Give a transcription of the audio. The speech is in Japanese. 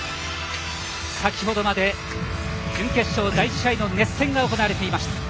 先程まで準決勝第１試合の熱戦が行われていました。